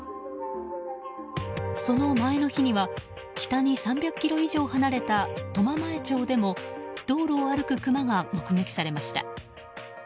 その前の日には北に３００ｋｍ以上離れた苫前町でも道路を歩くクマが目撃されました。